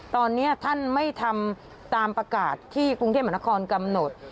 ตอนนี้ท่านไม่ทำตามประกาศที่กรุงเทพมหานครกำหนด